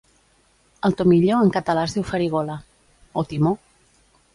El tomillo en català es diu farigola.